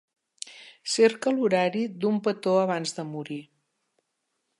Cerca l'horari d'Un petó abans de morir.